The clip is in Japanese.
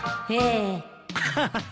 アハハハ